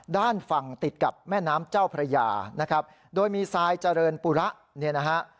ด้านฝั่งติดกับแม่น้ำเจ้าพระยานะครับโดยมีทรายเจริญปุระเนี่ยนะฮะ